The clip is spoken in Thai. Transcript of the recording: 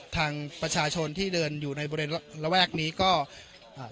ทางประชาชนที่เดินอยู่ในบริเวณระแวกนี้ก็อ่า